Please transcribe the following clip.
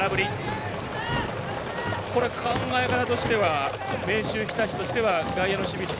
考え方としては明秀日立としては外野の守備位置